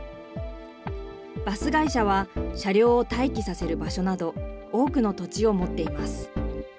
バス会社は、車両を待機させる場所など、多くの土地を持っています。